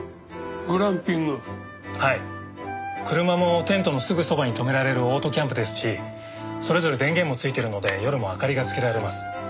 車もテントのすぐそばに止められるオートキャンプですしそれぞれ電源もついてるので夜も明かりがつけられます。